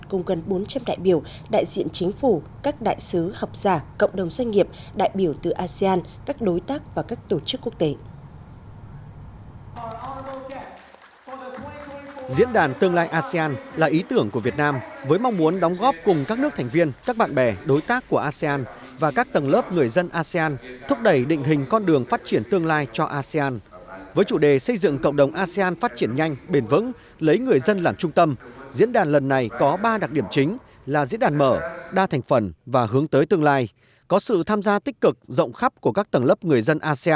cùng gần bốn trăm linh đại biểu đại diện chính phủ các đại sứ học giả cộng đồng doanh nghiệp đại biểu từ asean các đối tác và các tổ chức quốc tế